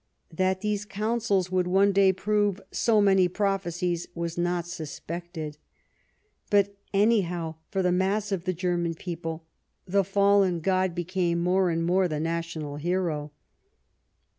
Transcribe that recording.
That these counsels would one day prove so many prophecies was not suspected. But anyhow, for the mass of the German people, the fallen god became m.ore and more the national hero.